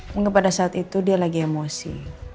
mungkin pada saat itu dia lagi emosi